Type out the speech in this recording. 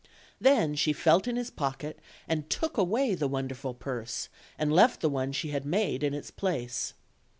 Then she felt in his pocket, and took away the wonderful purse, and left the one she had made in its place.